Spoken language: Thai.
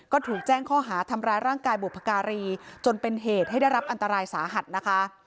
ก็ถูกแจ้งข้อหาทำร้ายร่างกายบุพการีจนเป็นเหตุให้ได้รับอันตรายสาหัสนะคะ